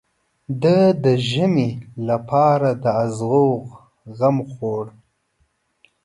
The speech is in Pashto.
ده د ژمي لپاره د ازوغ غم خوړ.